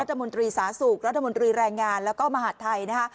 รัฐมนตรีสาธารณสุขรัฐมนตรีแรงงานแล้วก็มหาดไทยนะคะ